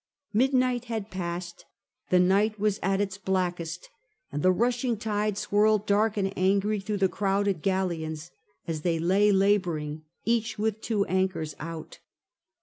Midnight had passed, the night was at its blackest, and the rushing tide swirled dark and angry through the crowded galleons as they lay labouring, each with two anchors out.